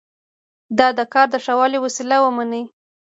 دا د کار د ښه والي وسیله ومني.